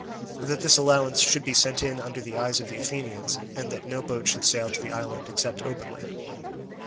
That this allowance should be sent in under the eyes of the Athenians, and that no boat should sail to the island except openly.